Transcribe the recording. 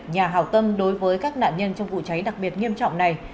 nhà hào tâm đối với các nạn nhân trong vụ cháy đặc biệt nghiêm trọng này